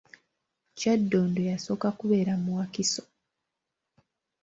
Kyaddondo yasooka kubeera mu Wakiso.